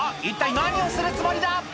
一体何をするつもりだ？